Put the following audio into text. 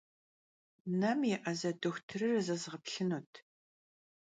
Nem yê'eze doxutırır zezğeplhınut.